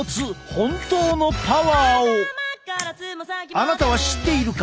あなたは知っているか？